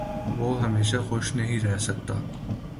وہ ہمیشہ خوش نہیں رہ سکتا